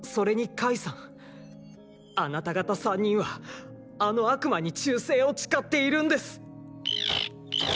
あなた方３人はあの悪魔に忠誠を誓っているんです。